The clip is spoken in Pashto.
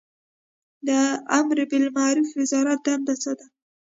د امربالمعروف وزارت دنده څه ده؟